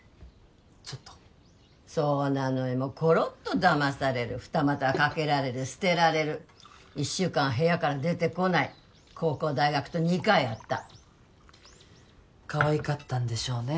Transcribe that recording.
ちょっとそうなのよコロッとだまされる二股かけられる捨てられる一週間部屋から出てこない高校大学と２回あったかわいかったんでしょうね